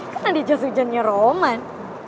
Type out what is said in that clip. kan ada jasujennya roman